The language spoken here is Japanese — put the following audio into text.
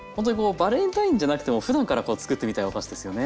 バレンタインじゃなくてもふだんからつくってみたいお菓子ですよね。